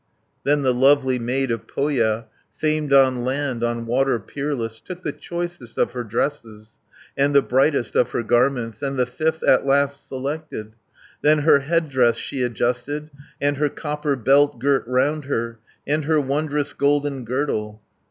Then the lovely maid of Pohja, Famed on land, on water peerless, Took the choicest of her dresses, And the brightest of her garments, And the fifth at last selected. Then her head dress she adjusted, 240 And her copper belt girt round her, And her wondrous golden girdle.